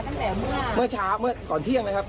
ตั้งแต่เมื่อเมื่อเช้าเมื่อก่อนเที่ยงนะครับ